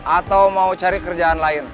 atau mau cari kerjaan lain